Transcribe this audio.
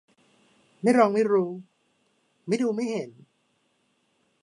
ไม่ลองไม่รู้ ไม่ดูไม่เห็น